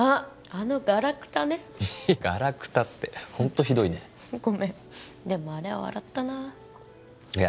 あのガラクタねガラクタってホントひどいねごめんでもあれは笑ったないや